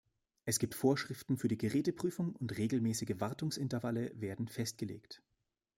Es gibt Vorschriften für die Geräteprüfung, und regelmäßige Wartungsintervalle werden festgelegt.